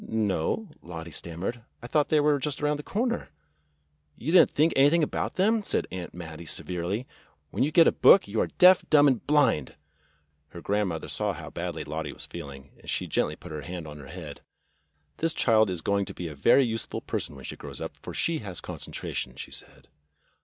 "No," Lottie stammered. "I thought they were just around the corner." "You did n't think anything about them," said Aunt Mattie severely. "When you get a book you are deaf, dumb, and blind !" Her grandmother saw how badly Lottie was feeling, and she gently put her hand on her head. "This child A SAFE AND SANE FOURTH OF JULY 67 is going to be a very useful person when she grows up, for she has concentration," she said.